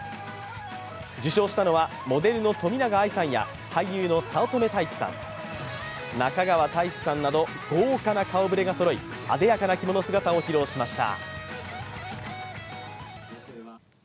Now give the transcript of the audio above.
受賞したのはモデルの冨永愛さんや俳優の早乙女太一さん、中川大志さんなど豪華な顔ぶれがそろい、あでやかな着物姿を披露しました。